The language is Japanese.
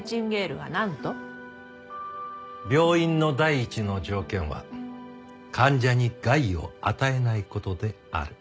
「病院の第一の条件は患者に害を与えないことである」。